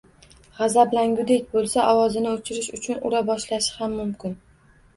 G‘azablangudek bo‘lsa, ovozingni o‘chirish uchun ura boshlashi ham mumkin.